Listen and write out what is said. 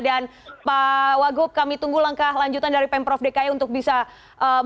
dan pak waguh kami tunggu langkah lanjutan dari pemprov dki untuk bisa berkata